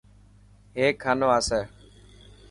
هيڪ کانو آسي.